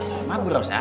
nah sama bu rosa